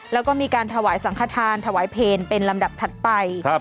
แล้วก็มีการถวายสังขทานถวายเพลเป็นลำดับถัดไป